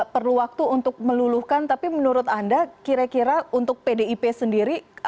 perlu waktu untuk meluluhkan tapi menurut anda kira kira untuk pdip sendiri